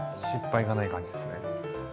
失敗がない感じですね。